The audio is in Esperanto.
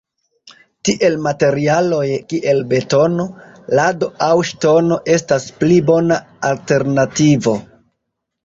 Tiel materialoj kiel betono, lado aŭ ŝtono estas pli bona alternativo.